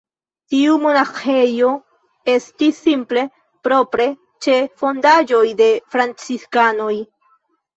Tiu monaĥejo estis simple propre ĉe fondaĵoj de franciskanoj.